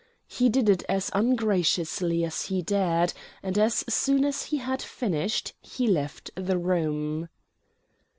He did it as ungraciously as he dared, and as soon as he had finished he left the room.